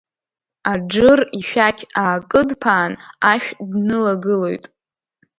Аџыр ишәақь аакыдԥаан, ашә днылагылоит.